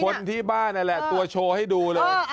คนที่บ้านนั่นแหละตัวโชว์ให้ดูเลย